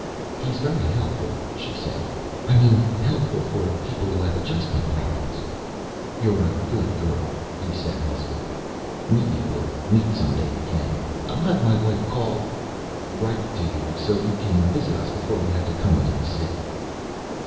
"He's very helpful," she said. "I mean, helpful for people who have adjustment problems." "You're a good girl," he said huskily. "Maybe we'll meet someday again. I'll have my wife call write to you so you can visit us before we have to come into the city."